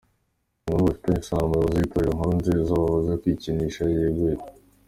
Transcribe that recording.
Inkuru bifitanye isano: Umuyobozi w’Itorero Inkuru Nziza wavuzweho kwikinisha yegujwe.